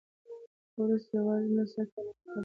خو وروسته یې یوازې نثر ته مخه کړې ده.